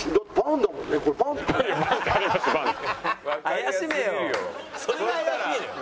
怪しめよ！